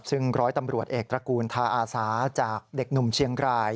ซึ่งร้อยตำรวจเอกตระกูลทาอาสาจากเด็กหนุ่มเชียงราย